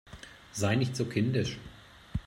Sei nicht so kindisch!